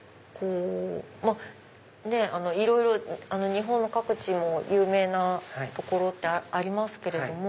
まぁいろいろ日本の各地も有名なところってありますけれども。